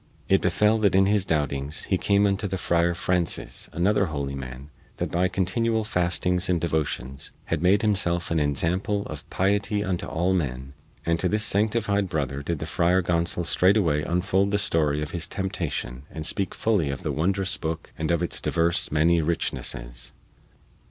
It befell that in his doubtings he came unto the Friar Francis, another holy man that by continual fastings and devotions had made himself an ensample of piety unto all men, and to this sanctified brother did the Friar Gonsol straightway unfold the story of his temptation and speak fully of the wondrous booke and of its divers many richnesses.